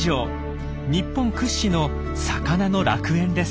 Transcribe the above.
日本屈指の魚の楽園です。